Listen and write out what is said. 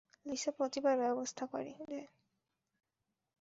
Lisa প্রতিবার ব্যবস্থা করে দেয়।